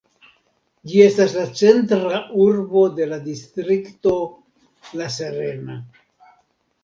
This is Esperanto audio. Ĝi estas la centra urbo de la distrikto La Serena.